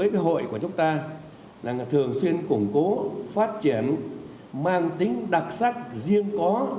với hội của chúng ta thường xuyên củng cố phát triển mang tính đặc sắc riêng của chúng ta